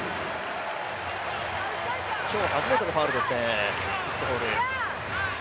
今日初めてのファウルですね、ウッドホール。